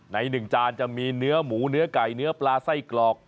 หนึ่งจานจะมีเนื้อหมูเนื้อไก่เนื้อปลาไส้กรอก